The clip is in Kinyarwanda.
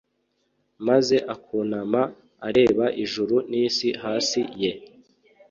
maze akunama areba ijuru n'isi hasi ye